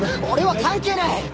俺は関係ない！